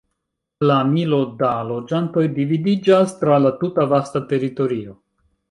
La milo da loĝantoj dividiĝas tra la tuta vasta teritorio.